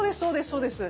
そうですね。